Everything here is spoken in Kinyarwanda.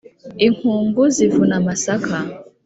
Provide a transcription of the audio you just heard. inkungu zivuna amasaka,